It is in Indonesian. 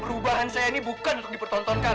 perubahan saya ini bukan untuk dipertontonkan